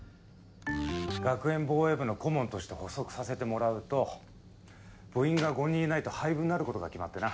学園防衛部の顧問として補足させてもらうと部員が５人いないと廃部になる事が決まってな。